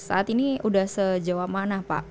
saat ini sudah sejauh mana pak